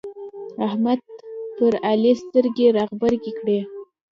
احمد پر علي سترګې رابرګې کړې.